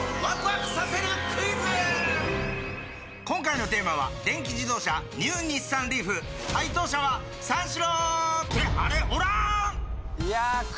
今回のテーマは電気自動車ニュー日産リーフ解答者は三四郎！